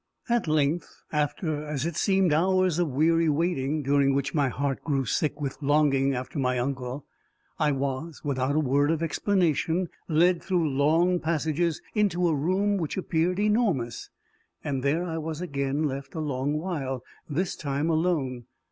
At length, after, as it seemed, hours of weary waiting, during which my heart grew sick with longing after my uncle, I was, without a word of explanation, led through long passages into a room which appeared enormous. There I was again left a long while this time alone.